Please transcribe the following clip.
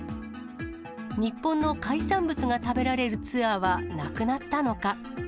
日本の海産物が食べられるツアーはなくなったのか。